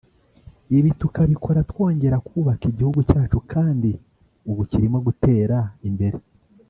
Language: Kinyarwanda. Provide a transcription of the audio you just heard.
ibi tukabikora twongera kubaka igihugu cyacu kandi ubu kirimo gutera imbere